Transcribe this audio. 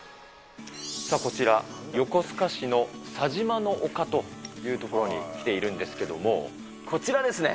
こちら、横須賀市の佐島の丘という所に来ているんですけれども、こちらですね。